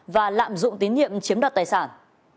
và lạm dụng tín nhiệm chiếm đoạt tài sản